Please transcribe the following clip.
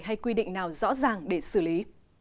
hay quy định nào rõ ràng để xử lý